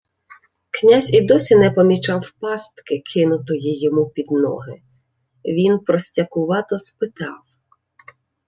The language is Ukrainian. Князь і досі не помічав пастки, кинутої йому під ноги. Він простякувато спитав: